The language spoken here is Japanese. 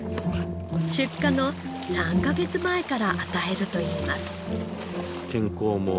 出荷の３カ月前から与えるといいます。